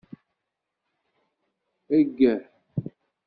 Eggeh